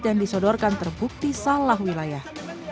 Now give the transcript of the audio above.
yang disodorkan terbukti salah wilayah